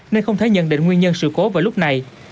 nên không thể nhận định nguyên nhân sự cố vào lúc này